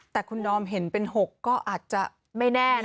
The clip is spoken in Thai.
แต่คุณนอมเห็นเป็น๖ก็อาจจะ